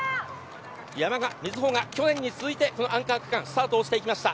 山賀が去年に続いてアンカー区間スタートしていきました。